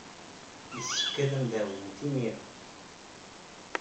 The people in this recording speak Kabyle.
Yessefk ad am-d-ɛawdent imir-a.